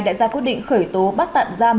đã ra quyết định khởi tố bắt tạm giam